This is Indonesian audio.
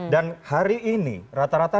dan hari ini rata rata